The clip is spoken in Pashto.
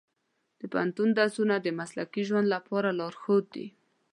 د پوهنتون درسونه د مسلکي ژوند لپاره لارښود دي.